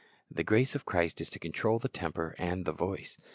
"^ The grace of Christ is to control the temper and the voice.